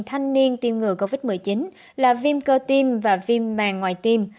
thanh niên tiêm ngừa covid một mươi chín là viêm cơ tiêm và viêm màng ngoài tiêm